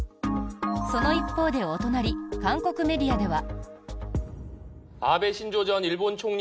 その一方で、お隣韓国メディアでは。